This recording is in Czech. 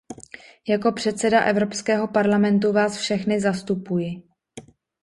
Jako předseda Evropského parlamentu vás všechny zastupuji.